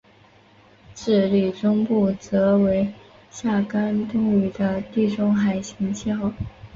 智利中部则为夏干冬雨的地中海型气候。